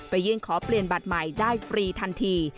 ยื่นขอเปลี่ยนบัตรใหม่ได้ฟรีทันที